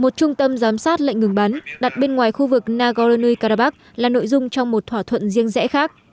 một trung tâm giám sát lệnh ngừng bắn đặt bên ngoài khu vực nagorno karabakh là nội dung trong một thỏa thuận riêng rẽ khác